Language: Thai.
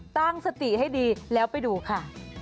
ตั้งสติให้ดีแล้วไปดูค่ะ